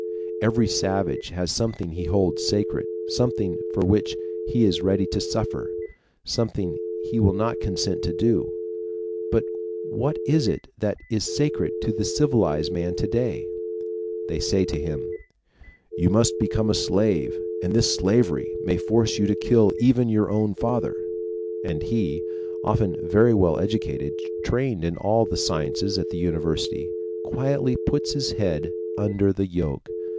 Every savage has something he holds sacred, something for which he is ready to suffer, something he will not consent to do. But what is it that is sacred to the civilized man of to day? They say to him: "You must become my slave, and this slavery may force you to kill even your own father;" and he, often very well educated, trained in all the sciences at the university, quietly puts his head under the yoke.